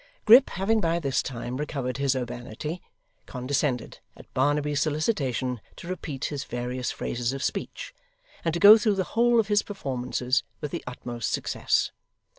Grip having by this time recovered his urbanity, condescended, at Barnaby's solicitation, to repeat his various phrases of speech, and to go through the whole of his performances with the utmost success.